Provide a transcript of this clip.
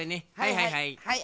はいはいはい。